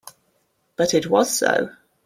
But it was so.